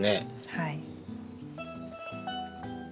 はい。